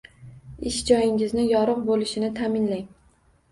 Ish joyingizni yorug‘ bo‘lishini ta’minlang.